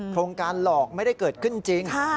โครงการหลอกไม่ได้เกิดขึ้นจริง